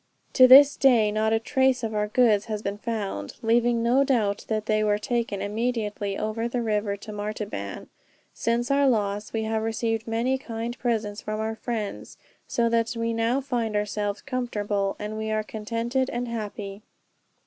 "To this day not a trace of our goods has been found; leaving no doubt that they were taken immediately over the river to Martaban. Since our loss, we have received many kind presents from our friends, so that we now find ourselves comfortable, and we are contented and happy.